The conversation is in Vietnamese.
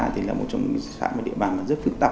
thì là một trong những địa bàn rất phức tạp